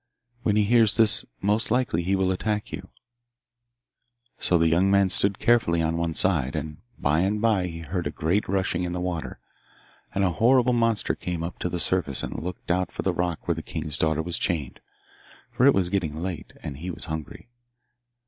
When he hears this most likely he will attack you.' So the young man stood carefully on one side, and by and bye he heard a great rushing in the water; and a horrible monster came up to the surface and looked out for the rock where the king's daughter was chained, for it was getting late and he was hungry.